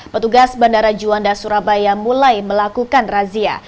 petugas bandara juanda surabaya mulai melakukan razia